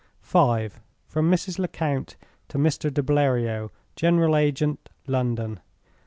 V. From Mrs. Lecount to Mr. de Bleriot, General Agent, London.